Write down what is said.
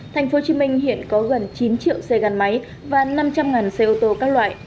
tp hcm hiện có gần chín triệu xe gắn máy và năm trăm linh xe ô tô các loại